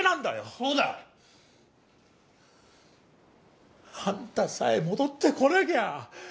そうだ！あんたさえ戻ってこなきゃ。